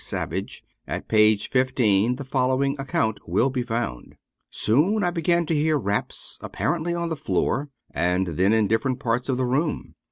Savage, at page 15, the following account will be found: " Soon I began to hear raps, apparently on the floor, and then in different parts of the room.